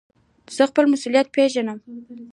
زه خپل مسئولیتونه پېژنم.